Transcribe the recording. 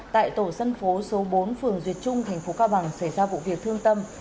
tại tổ dân phố số bốn phường duyệt trung thành phố cao bằng xảy ra vụ việc thương tâm